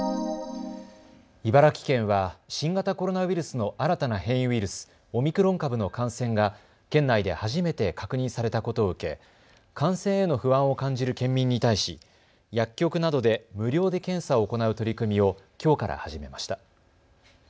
茨城県は新型コロナウイルスの新たな変異ウイルス、オミクロン株の感染が県内で初めて確認されたことを受け感染への不安を感じる県民に対し薬局などで無料で検査を行う取り組みをきょうから始めました。